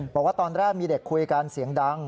บอกว่าตอนแรกมีเด็กคุยกันเสียงดัง